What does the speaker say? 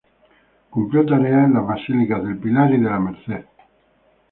Cumplió tareas en las Basílicas del Pilar y de la Merced.